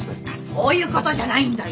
そういうことじゃないんだよ！